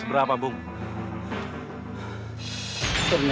berani membokong orang